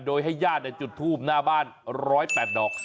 โดยให้ญาติจุดทูบหน้าบ้าน๑๐๘ดอก